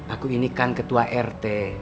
aku ini kan ketua rt